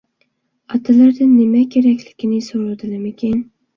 ئاتىلىرىدىن نېمە كېرەكلىكىنى سورىدىلىمىكىن.